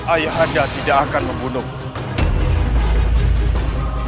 ayah anda tidak akan membunuh